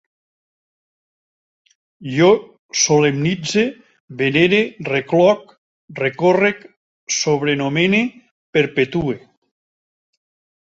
Jo solemnitze, venere, recloc, recórrec, sobrenomene, perpetue